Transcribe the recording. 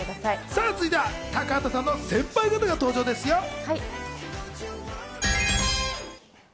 続いては高畑さんの先輩方が登場ですよ。